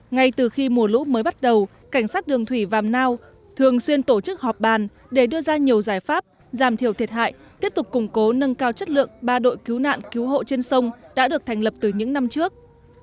ngay từ khi mùa lũ mới bắt đầu cảnh sát đường thủy vàm nao thường xuyên tổ chức họp bàn để đưa ra nhiều giải pháp giảm thiểu thiệt hại tiếp tục củng cố nâng cao chất lượng ba đội cứu nạn cứu hộ trên sông đã được thành lập từ những năm trước